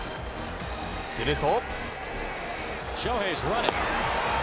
すると。